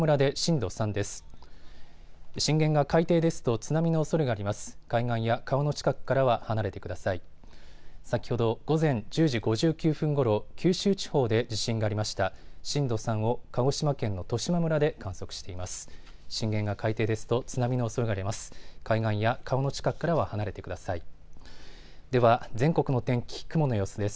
震源が海底ですと津波のおそれがります。